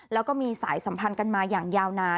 แล้วก็มีสายสัมพันธ์กันมาอย่างยาวนาน